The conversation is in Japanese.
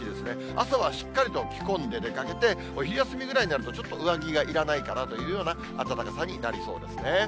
朝はしっかりと着込んで出かけて、お昼休みぐらいになると、ちょっと上着がいらないかなというような暖かさになりそうですね。